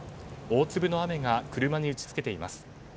大粒の雨が車に打ち付けています。